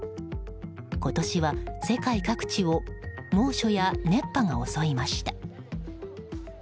今年は世界各地を猛暑や熱波が襲いました。